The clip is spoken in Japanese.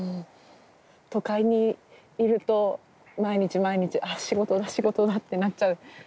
都会にいると毎日毎日仕事だ仕事だってなっちゃうけど。